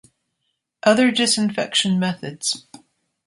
Other Disinfection Methods